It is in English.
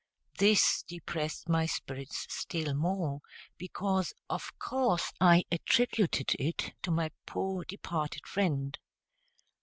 This depressed my spirits still more, because of course I attributed it to my poor departed friend.